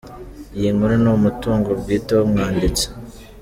Iyi nkuru ni umutungo bwite w’umwanditsi.